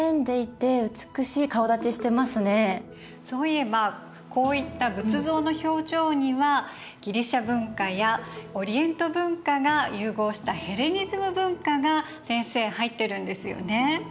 そういえばこういった仏像の表情にはギリシア文化やオリエント文化が融合したヘレニズム文化が先生入ってるんですよね。